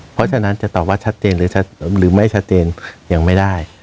เพราะฉะนั้นจะตอบว่าชัดเจนหรือไม่ชัดเจนยังไม่ได้